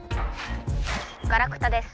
「ガラクタです」。